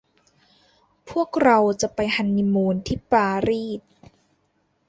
พวกเราจะไปฮันนีมูนที่ปารีส